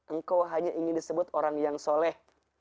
engkau hanya ingin disebut orang yang soleh